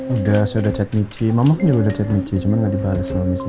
udah sudah chat michi mama kan juga udah chat michi cuman gak dibalas sama michi ya